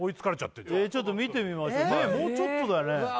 ちょっと見てみましょうもうちょっとだよね